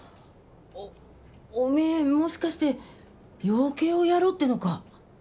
おめぇもしかして養鶏をやろうってのか？